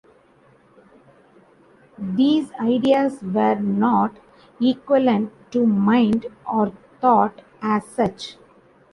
These ideas were not equivalent to mind or thought as such.